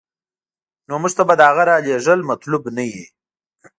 نو موږ ته به د هغه رالېږل مطلوب نه وي.